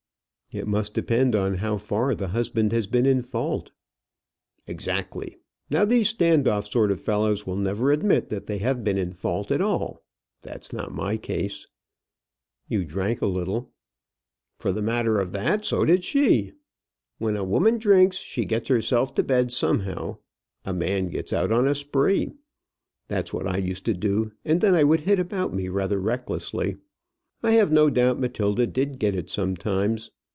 "It must depend on how far the husband has been in fault." "Exactly. Now these stand off sort of fellows will never admit that they have been in fault at all. That's not my case." "You drank a little." "For the matter of that, so did she. When a woman drinks she gets herself to bed somehow. A man gets out upon a spree. That's what I used to do, and then I would hit about me rather recklessly. I have no doubt Matilda did get it sometimes.